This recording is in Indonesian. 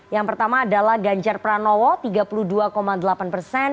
yang pertama adalah ganjar pranowo tiga puluh dua delapan persen